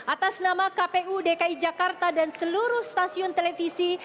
atas nama kpu dki jakarta dan seluruh stasiun televisi